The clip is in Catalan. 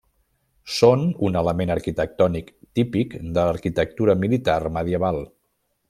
Són un element arquitectònic típic de l'arquitectura militar medieval.